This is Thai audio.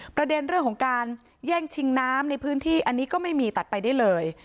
ประเด็นเรื่องของการแย่งชิงน้ำในพื้นที่อันนี้ก็ไม่มีตัดไปได้เลย